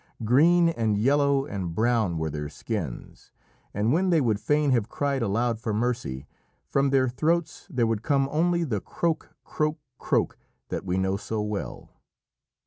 Green and yellow and brown were their skins, and when they would fain have cried aloud for mercy, from their throats there would come only the "Krroak! krroak! krroak!" that we know so well.